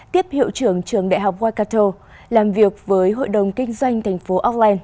tiếp hiệu trưởng trường đại học arcau làm việc với hội đồng kinh doanh thành phố auckland